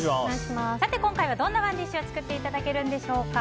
今回はどんなＯｎｅＤｉｓｈを作っていただけるのでしょうか。